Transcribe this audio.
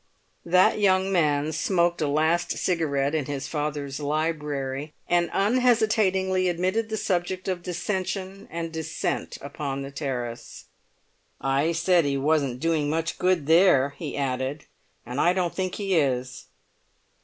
That young man smoked a last cigarette in his father's library, and unhesitatingly admitted the subject of dissension and dissent upon the terrace. "I said he wasn't doing much good there," he added, "and I don't think he is.